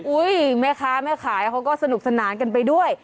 แม่ค้าแม่ขายเขาก็สนุกสนานกันไปด้วย